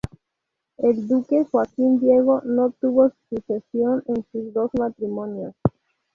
El duque Joaquín Diego no tuvo sucesión en sus dos matrimonios.